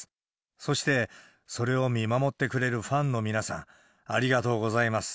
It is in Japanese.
そして、それを見守ってくれるファンの皆さん、ありがとうございます。